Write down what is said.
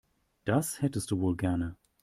Das hättest du wohl gerne.